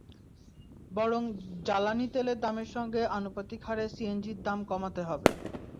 বরং জ্বালানি তেলের দামের সঙ্গে আনুপাতিক হারে সিএনজির দাম কমাতে হবে।